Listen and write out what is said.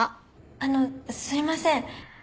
あのすいません。